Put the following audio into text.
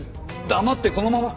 黙ってこのまま。